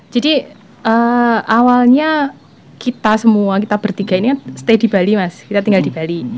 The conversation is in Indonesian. jadi awalnya kita semua kita bertiga ini stay di bali mas kita tinggal di bali